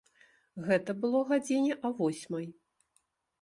Гэта было гадзіне а восьмай.